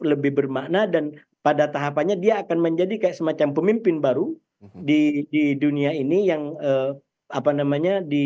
lebih bermakna dan pada tahapannya dia akan menjadi kayak semacam pemimpin baru di dunia ini yang apa namanya di